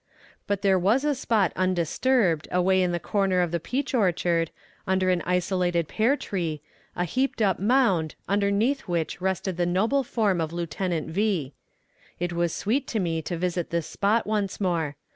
But there was a spot undisturbed, away in the corner of the peach orchard, under an isolated pear tree, a heaped up mound, underneath which rested the noble form of Lieutenant V. It was sweet to me to visit this spot once more.